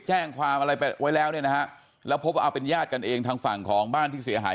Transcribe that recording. แจ้งความอะไรไปไว้แล้วเนี่ยนะฮะแล้วพบว่าเอาเป็นญาติกันเองทางฝั่งของบ้านที่เสียหาย